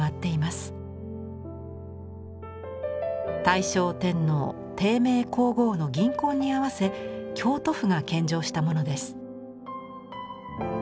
大正天皇貞明皇后の銀婚に合わせ京都府が献上したものです。